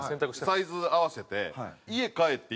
サイズ合わせて。